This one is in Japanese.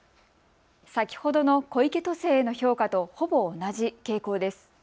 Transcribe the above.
先ほどの小池都政への評価とほぼ同じ傾向です。